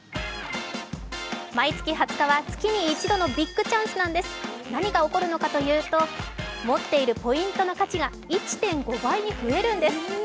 毎月２０日は月に一度のビッグチャンスなんです何が起こるのかというと、持っているポイントの価値が１．５倍に増えるんです。